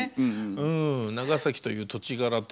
うん長崎という土地柄と。